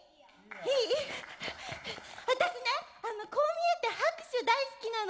私ねこう見えて拍手大好きなの。